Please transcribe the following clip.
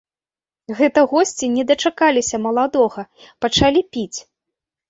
Гэта госці не дачакаліся маладога, пачалі піць.